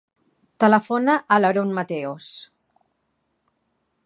Telefona a l'Haroun Mateos.